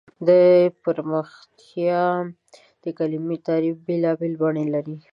د پرمختیا د کلیمې تعریف بېلابېل بڼې لري.